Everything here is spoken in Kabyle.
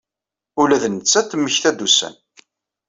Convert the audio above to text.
Ula d nettat temmekta-d ussan.